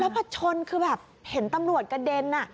แล้วพอชนคือแบบเห็นตำรวจกระเด็นน่ะ